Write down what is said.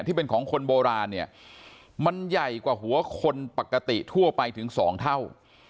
ที่เป็นของคนโบราณเนี่ยมันใหญ่กว่าหัวคนปกติทั่วไปถึง๒เท่า